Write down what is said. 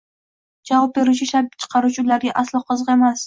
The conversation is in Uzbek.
javob beruvchi ishlab chiqaruvchi ularga aslo qiziq emas.